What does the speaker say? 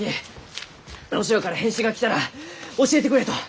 ロシアから返信が来たら教えてくれと！